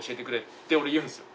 って俺言うんですよ。